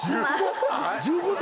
１５歳？